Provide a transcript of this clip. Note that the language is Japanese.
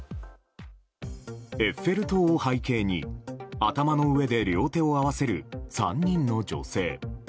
エッフェル塔を背景に頭の上で両手を合わせる３人の女性。